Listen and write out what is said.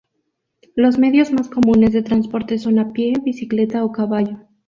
Los medios más comunes de transporte son a pie, bicicleta o caballo.